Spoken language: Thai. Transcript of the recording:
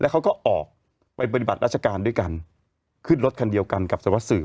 เขาก็ออกไปปฏิบัติราชการด้วยกันขึ้นรถคันเดียวกันกับสารวัสสืบ